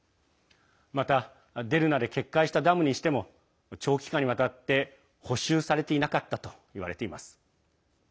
またデルナで決壊したダムにしても長期間にわたって補修されていなかったといわれています。